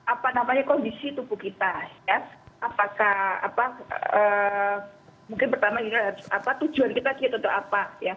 apa namanya kondisi tubuh kita ya